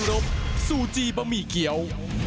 เจรบซูจิบะมิเชียว